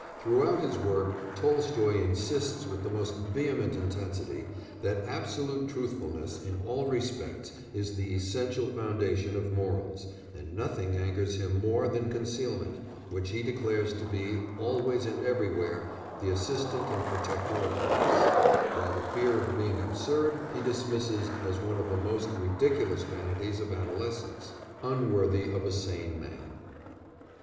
Throughout his work Tolstoy insists with the most vehement intensity that absolute truthfulness in all respects is the essential foundation of morals, and nothing angers him more than concealment, which he declares to be, always and everywhere, the assistant and protector of vice, while the fear of being absurd he dismisses as one of the most ridiculous vanities of adolescence, unworthy of a sane man.